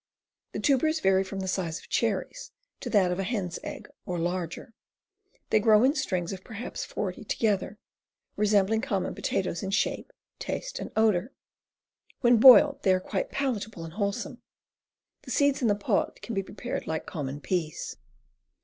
The tubers vary from the size of cherries to that of a hen's egg, or larger. They grow in strings of perhaps 40 together, resembling conunon potatoes in shape, taste, and odor. When boiled they are quite palatable and wholesome. The seeds in the pod can be prepared like common peas.